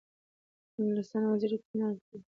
د انګلستان وزیر اطمینان ورکړی.